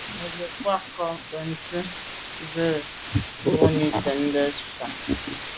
Mə́ cwɛ̌d kwâ’ ncâ bə̀ncìn zə̄ bù bə̂ ntɔ́nə́ ngə́ fâ’.